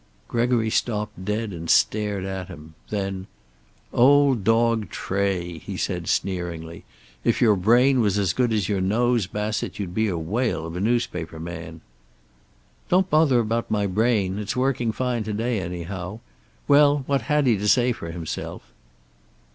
Gregory stopped dead and stared at him. Then: "Old dog Tray!" he said sneeringly. "If your brain was as good as your nose, Bassett, you'd be a whale of a newspaper man." "Don't bother about my brain. It's working fine to day, anyhow. Well, what had he to say for himself?"